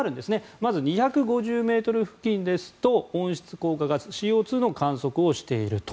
まず、２５０ｍ付近ですと温室効果ガス、ＣＯ２の観測をしていると。